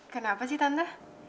kenapa sih tante